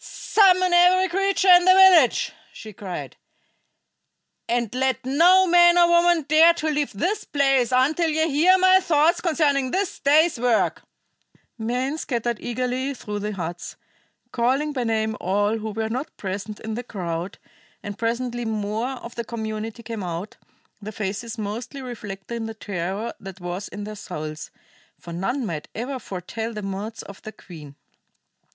"Summon every creature in the village," she cried, "and let no man or woman dare to leave this place until ye hear my thoughts concerning this day's work!" Men scattered eagerly through the huts, calling by name all who were not present in the crowd, and presently more of the community came out, their faces mostly reflecting the terror that was in their souls; for none might ever foretell the moods of their queen.